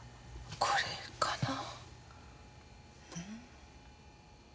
これかな？